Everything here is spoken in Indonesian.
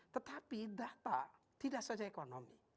tetapi data tidak saja ekonomi